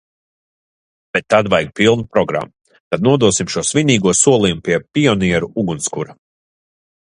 Bet tad vajag pilnu programmu: tad nodosim šo svinīgo solījumu pie pionieru ugunskura!